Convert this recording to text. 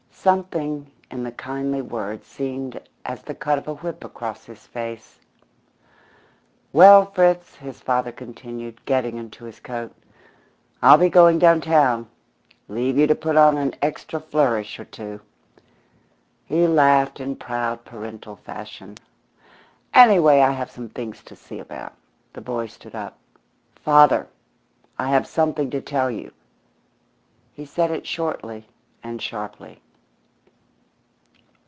Something in the kindly words seemed as the cut of a whip across his face. "Well, Fritz," his father continued, getting into his coat, "I'll be going downtown. Leave you to put on an extra flourish or two." He laughed in proud parental fashion. "Anyway, I have some things to see about." The boy stood up. "Father, I have something to tell you." He said it shortly and sharply.